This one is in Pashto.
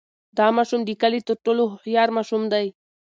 دا ماشوم د کلي تر ټولو هوښیار ماشوم دی.